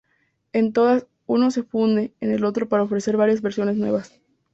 En todas, uno se funde en el otro para ofrecer versiones nuevas.